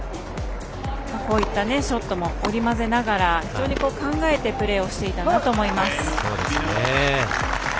こういったショットも織り交ぜながら非常に考えてプレーをしていたと思います。